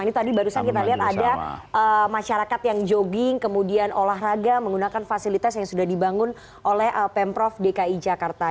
ini tadi barusan kita lihat ada masyarakat yang jogging kemudian olahraga menggunakan fasilitas yang sudah dibangun oleh pemprov dki jakarta